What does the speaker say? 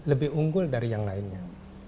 lebih unggul dari yang lainnya